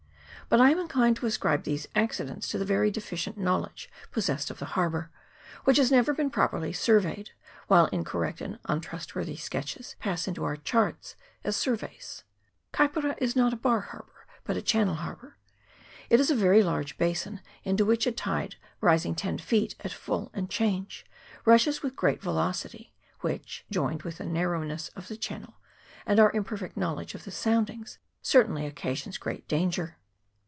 But I am inclined to ascribe these accidents to the very deficient knowledge possessed of the harbour, which has never been properly surveyed, while incorrect and untrustworthy sketches pass into our charts as surveys. Kaipara is not a bar harbour, but a channel harbour ; it is a large basin, into which a tide, rising ten feet at full and change, rushes with great velocity, which, joined with the narrowness of the channel and our imperfect knowledge of the sound ings, certainly occasions great danger.